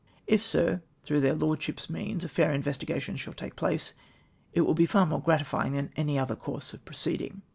" If, Sir, through their Lordships' means, a fair investigation shall take place, it will be far more gratifying than any other course of proceeding.